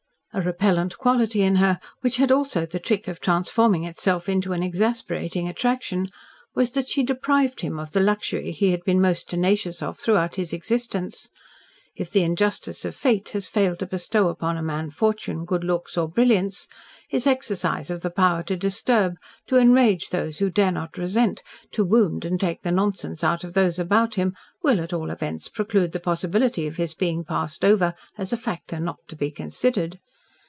A repellent quality in her which had also the trick of transforming itself into an exasperating attraction was that she deprived him of the luxury he had been most tenacious of throughout his existence. If the injustice of fate has failed to bestow upon a man fortune, good looks or brilliance, his exercise of the power to disturb, to enrage those who dare not resent, to wound and take the nonsense out of those about him, will, at all events, preclude the possibility of his being passed over as a factor not to be considered.